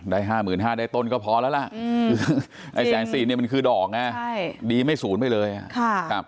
ได้๕๕๐๐๐บาทได้ต้นก็พอแล้วล่ะไอ้แสงสี่นี่มันคือดอกดีไม่สูญไปเลยครับ